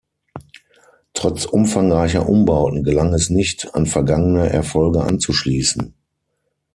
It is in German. Trotz umfangreicher Umbauten gelang es nicht, an vergangene Erfolge anzuschließen.